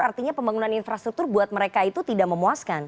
artinya pembangunan infrastruktur buat mereka itu